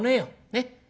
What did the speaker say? ねっ。